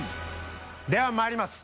ではまいります。